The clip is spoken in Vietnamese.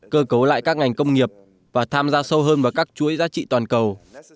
cơ cấu lại các ngành công nghiệp và tham gia sâu hơn vào các chuỗi giá trị toàn cầu